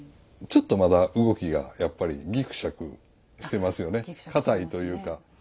ちょっとまだ動きがやっぱりぎくしゃくしてますよね硬いというか。